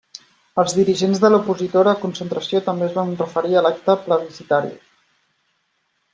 Els dirigents de l'opositora Concertació també es van referir a l'acte plebiscitari.